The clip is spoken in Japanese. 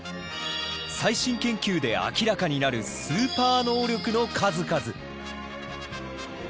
最新研究で明らかになるスーパー能力の数々！